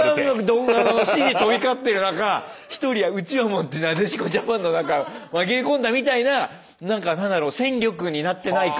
怒号の指示飛び交ってる中一人うちわ持ってなでしこジャパンの中紛れ込んだみたいな何か何だろう戦力になってない感。